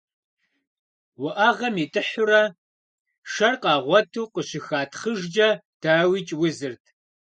Уӏэгъэм итӏыхьурэ шэр къагъуэту къыщыхатхъыжкӏэ, дауикӏ, узырт.